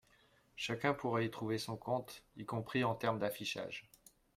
Chacun pourra y trouver son compte, y compris en termes d’affichage.